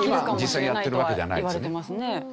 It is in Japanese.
今実際にやってるわけではないですね。